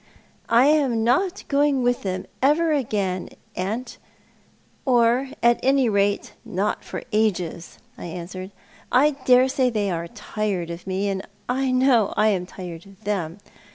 " I am not going with them ever again, aunt, or at any rate not for ages," I answered. "I dare say they are tired of me, and I know I am tired of them.